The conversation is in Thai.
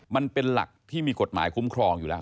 มันเป็นหลักที่มีกฎหมายคุ้มครองอยู่แล้ว